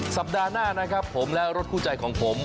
สัปดาห์หน้านะครับผมและรถคู่ใจของผม